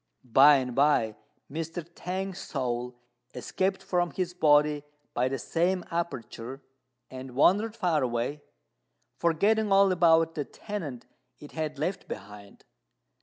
By and by Mr. T'ang's soul escaped from his body by the same aperture, and wandered far away, forgetting all about the tenement it had left behind.